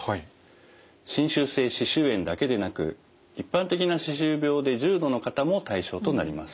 侵襲性歯周炎だけでなく一般的な歯周病で重度の方も対象となります。